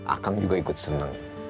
akang juga ikut senang